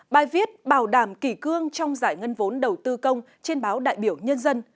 bài viết bảo đảm kỷ cương trong giải ngân vốn đầu tư công trên báo đại biểu nhân dân